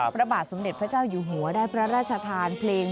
พระบาทสมเด็จพระเจ้าอยู่หัวได้พระราชทานเพลง